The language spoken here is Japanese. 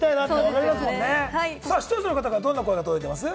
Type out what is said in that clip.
視聴者の方からどんな声が届いていますか？